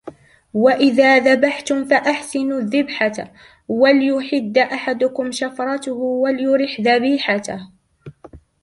وَإِذَا ذَبَحْتُمْ فَأَحْسِنُوا الذِّبْحَةَ، وَلْيُحِدَّ أَحَدُكُمْ شَفْرَتَهُ وَلْيُرِحْ ذَبِيحَتَهُ